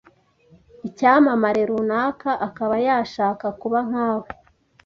icyamamare runaka akaba yashaka kuba nkawe.